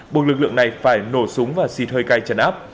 buộc lực lượng này phải nổ súng và xịt hơi cay chấn áp